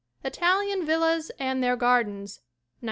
Italian Villas and Their Gardens, 1904.